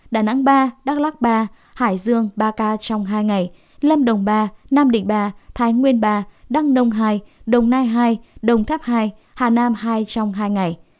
đà nẵng ba đắk lắc ba hải dương ba ca trong hai ngày lâm đồng ba nam định ba thái nguyên ba đăng nông hai đồng nai hai đồng tháp hai hà nam hai trong hai ngày